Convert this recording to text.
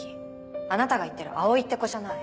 あなたが言ってる葵って子じゃない。